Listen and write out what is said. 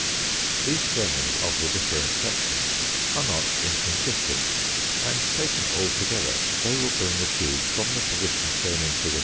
These turnings of the different sections are not incon sistent, and taken all together they will bring the cubt from the position shown in fig.